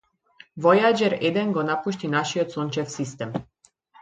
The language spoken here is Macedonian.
Војаџер еден го напушти нашиот сончев систем.